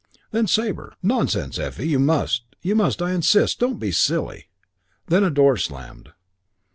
"Then Sabre: 'Nonsense, Effie. You must. You must. I insist. Don't be silly.' "Then a door slammed.